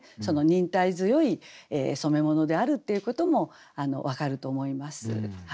忍耐強い染め物であるっていうことも分かると思います。